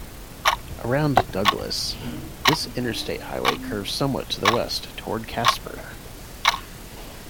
Around Douglas, this interstate highway curves somewhat to the west toward Casper.